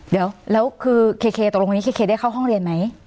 เดี๋ยวแล้วคือเคตกลงนี้เคได้เข้าห้องเรียนไหม